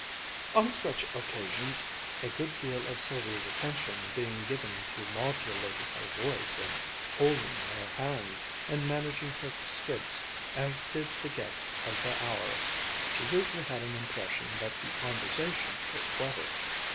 On such occasions, a good deal of Sylvia's attention being given to modulating her voice and holding her hands and managing her skirts as did the guests of the hour, she usually had an impression that the conversation was clever.